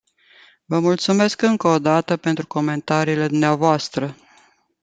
Vă mulțumesc încă o dată pentru comentariile dvs.